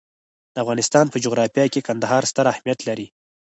د افغانستان په جغرافیه کې کندهار ستر اهمیت لري.